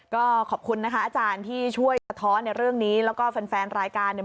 ก็ขอบคุณนะคะอาจารย์ที่ช่วยสะท้อนในเรื่องนี้แล้วก็แฟนรายการ